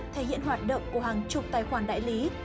thể hiện hoạt động của hàng chục tài khoản đại lý